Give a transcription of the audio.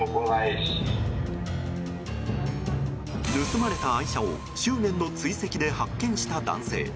盗まれた愛車を執念の追跡で発見した男性。